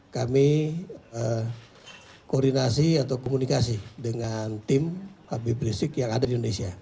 kami koordinasi atau komunikasi dengan tim habib rizik yang ada di indonesia